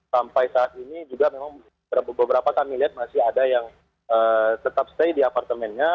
sampai saat ini juga memang beberapa kami lihat masih ada yang tetap stay di apartemennya